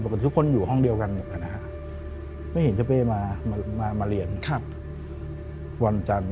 บอกว่าทุกคนอยู่ห้องเดียวกันอย่างเงี้ยไม่เห็นเจ้าเป้มามามาเรียนครับวันจันทร์